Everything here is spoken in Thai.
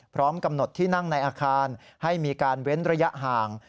พร้อมกำหนดที่นั่งในอาคารให้มีการเว้นระยะห่าง